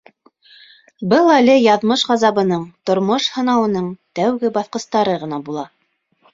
Был әле яҙмыш ғазабының, тормош һынауының тәүге баҫҡыстары ғына була.